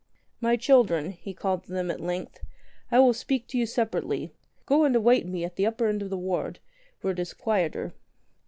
''My children," he called to them at length, "I will speak to you separately. Go and await me at the upper end of the ward, where it is quieter."